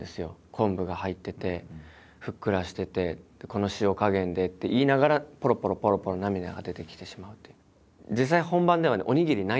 昆布が入っててふっくらしててこの塩加減でって言いながらぽろぽろぽろぽろ涙が出てきてしまうという。